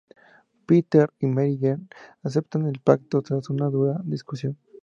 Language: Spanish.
Peter y Mary Jane aceptan el pacto, tras una dura discusión.